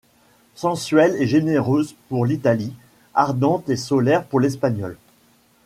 Sensuelle et généreuse pour l'Italien, ardente et solaire pour l'Espagnol.